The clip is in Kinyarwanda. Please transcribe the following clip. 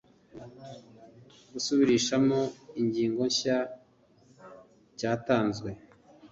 gusubirishamo ingingo nshya cyatanzwe